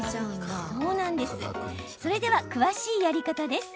それでは、詳しいやり方です。